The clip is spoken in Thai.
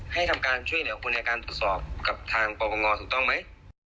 ให้ทำการช่วยเหลือคุณในการตรวจสอบกับทางปปงถูกต้องไหม